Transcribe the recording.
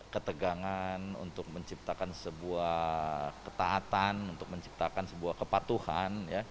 ketegangan untuk menciptakan sebuah ketaatan untuk menciptakan sebuah kepatuhan